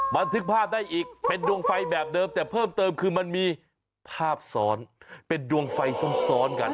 บันทึกภาพได้อีกเป็นดวงไฟแบบเดิมแต่เพิ่มเติมคือมันมีภาพซ้อนเป็นดวงไฟซ้อนกัน